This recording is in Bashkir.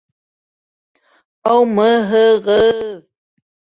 Һау-мы-һы-ғыҙ!